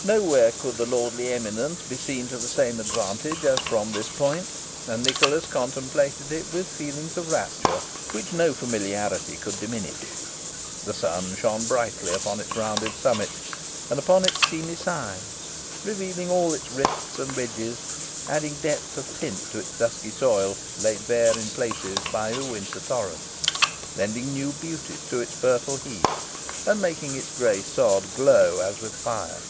Nowhere could the lordly eminence be seen to the same advantage as from this point, and Nicholas contemplated it with feelings of rapture, which no familiarity could diminish. The sun shone brightly upon its rounded summit, and upon its seamy sides, revealing all its rifts and ridges; adding depth of tint to its dusky soil, laid bare in places by the winter torrents; lending new beauty to its purple heath, and making its grey sod glow as with fire.